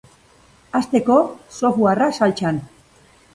Hasteko, softwarea saltsan.